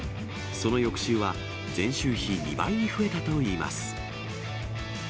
その翌週は、前週比２倍に増えたといいます。